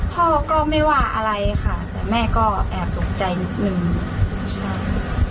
พ่อก็ไม่ว่าอะไรค่ะแต่แม่ก็แอบตกใจนิดนึงใช่